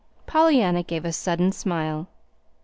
Pollyanna gave a sudden smile.